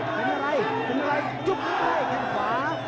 เป็นอะไรเป็นอะไรจุ๊บให้แข่งขวา